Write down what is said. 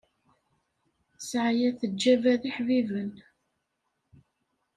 Sɛaya teǧǧaba d iḥbiben.